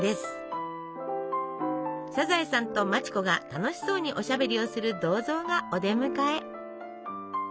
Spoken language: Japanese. サザエさんと町子が楽しそうにおしゃべりをする銅像がお出迎え。